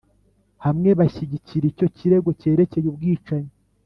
hamwe bashyigikira icyo kirego cyerekeye ubwicanyi